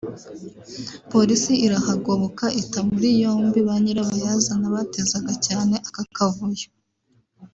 Polisi irahagoboka ita muri yombi ba nyirabayazana batezaga cyane ako kavuyo